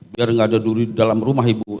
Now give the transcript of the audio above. biar nggak ada duri dalam rumah ibu